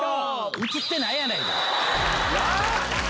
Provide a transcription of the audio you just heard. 写ってないやないか！